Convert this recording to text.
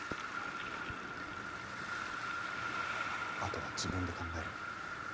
あとは自分で考えろ。